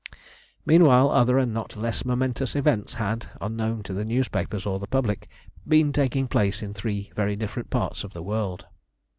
Meanwhile other and not less momentous events had, unknown to the newspapers or the public, been taking place in three very different parts of the world.